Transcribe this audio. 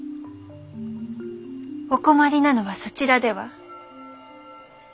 お困りなのはそちらでは？